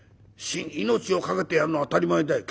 命を懸けてやるのは当たり前だよ。